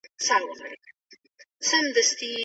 څېړني د ساینس او ټیکنالوژۍ اساس دی.